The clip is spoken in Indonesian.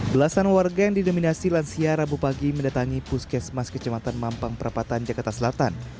belasan warga yang didominasi lansia rabu pagi mendatangi puskesmas kecamatan mampang perapatan jakarta selatan